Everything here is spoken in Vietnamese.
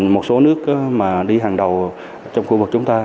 một số nước mà đi hàng đầu trong khu vực chúng ta